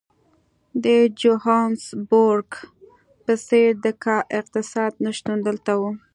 د جوهانسبورګ په څېر د کا اقتصاد نه شتون دلته وو.